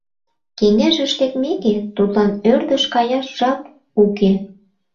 Кеҥежыш лекмеке, тудлан ӧрдыш каяш жап уке.